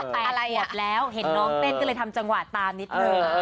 ๘ขวบแล้วเห็นน้องเต้นก็เลยทำจังหวะตามนิดนึง